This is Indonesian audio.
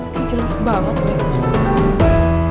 kayaknya jelas banget nih